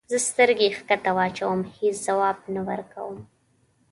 زه سترګې کښته واچوم هیڅ ځواب نه ورکوم.